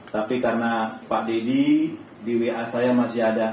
tapi karena pak deddy di wa saya masih ada